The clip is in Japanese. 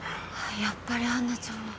やっぱりアンナちゃんは。